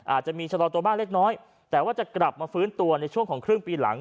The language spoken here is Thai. อาจจะมีชะลอตัวบ้างเล็กน้อยแต่ว่าจะกลับมาฟื้นตัวในช่วงของครึ่งปีหลัง